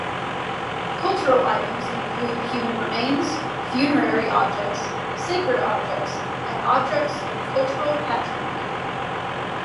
Cultural items include human remains, funerary objects, sacred objects, and objects of cultural patrimony.